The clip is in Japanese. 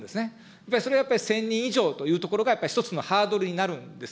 やっぱり、それはやっぱり１０００人以上というところが一つのハードルになるんです。